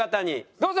どうぞ！